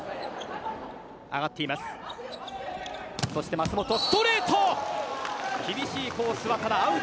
舛本、ストレート。